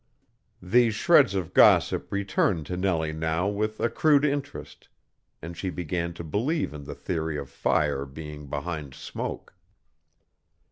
These shreds of gossip returned to Nellie now with accrued interest, and she began to believe in the theory of fire being behind smoke.